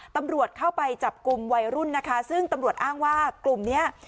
ตำรวจเข้าไปจับกลุ่มวัยรุ่นนะคะซึ่งตำรวจอ้างว่ากลุ่มเนี้ย